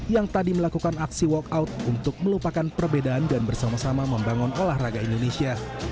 yang tadi melakukan aksi walkout untuk melupakan perbedaan dan bersama sama membangun olahraga indonesia